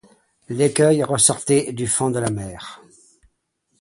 L’écueil ressortait du fond de la mer.